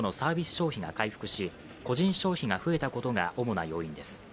消費が回復し個人消費が増えたことが主な要因です。